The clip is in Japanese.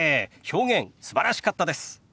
表現すばらしかったです。